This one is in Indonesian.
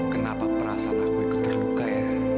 kenapa perasaan aku ikut terluka ya